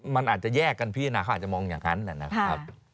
มันอาจจะแยกกันพิจารณาเขาอาจจะมองอย่างนั้นนะครับ